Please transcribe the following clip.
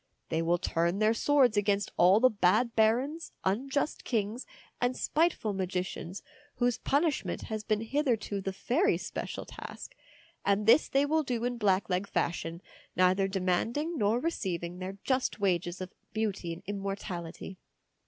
They will turn their swords against all the bad barons, unjust kings, and spiteful magicians, whose punishment has been hitherto the fairies' special task ; and this they will do in blackleg fashion, neither demanding nor receiving their just wages of beauty and immortality.